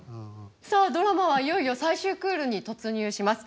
さあドラマはいよいよ最終クールに突入します。